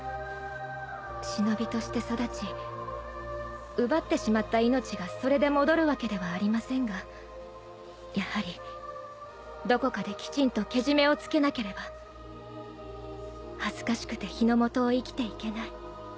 忍として育ち奪ってしまった命がそれで戻るわけではありませんがやはりどこかできちんとけじめをつけなければ恥ずかしくて日の下を生きていけない。